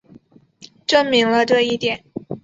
证明了这一点。